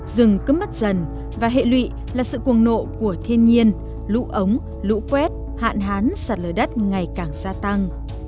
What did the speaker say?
rừng cứ mất dần và hệ lụy là sự cuồng nộ của thiên nhiên lũ ống lũ quét hạn hán sạt lở đất ngày càng gia tăng